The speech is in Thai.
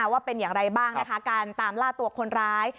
ว่าเป็นอย่างไรบ้างนะคะการตามล่าตัวคนร้าย